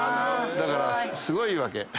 だからすごいわけ。